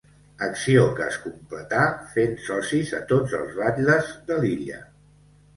Acció que es completà fent socis a tots els batles de l'illa.